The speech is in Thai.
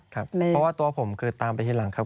เพราะว่าตัวผมคือตามไปทีหลังครับ